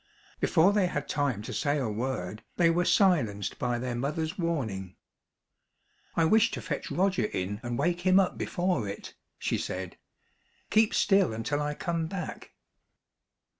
Before they had time to say a word, they were silenced by their mother's warning. "I wish to fetch Roger in and wake him up before it," she said. "Keep still until I come back!"